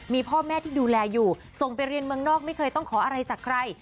มีพ่อแม่ที่ดูแลอยู่ส่งไปเรียนเมืองนอกไม่เคยต้องขออะไรจากใคร